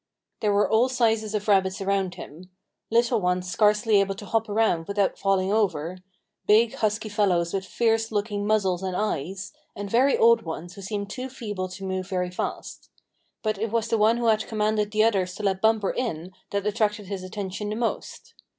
There were all sizes of rabbits around him little ones scarcely able to hop around without falling over, big, husky fellows with fierce looking muzzles and eyes, and very old ones who seemed too feeble to move very fast. But it was the one who had commanded the others to let Bumper in that attracted his attention the most.